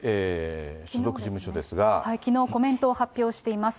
きのう、コメントを発表しています。